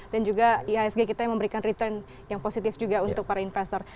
dan juga ihsg kita yang memberikan return yang positif juga untuk para investor